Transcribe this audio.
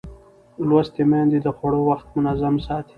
لوستې میندې د خوړو وخت منظم ساتي.